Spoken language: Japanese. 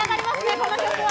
この曲は。